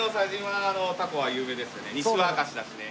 西は明石だしね。